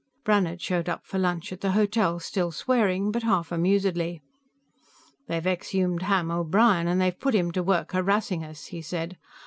Brannhard showed up for lunch at the hotel, still swearing, but half amusedly. "They've exhumed Ham O'Brien, and they've put him to work harassing us," he said.